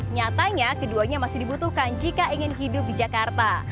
nyatanya keduanya masih dibutuhkan jika ingin hidup di jakarta